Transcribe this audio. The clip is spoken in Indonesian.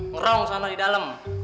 ngerong sana di dalam